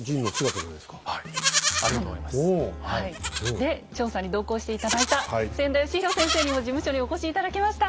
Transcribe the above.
で調査に同行して頂いた千田嘉博先生にも事務所にお越し頂きました。